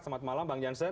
selamat malam bang jansen